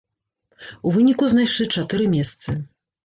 У выніку знайшлі чатыры месцы.